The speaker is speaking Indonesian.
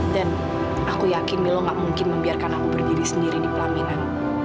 dan aku yakin milo gak mungkin membiarkan aku berdiri sendiri di pelaminan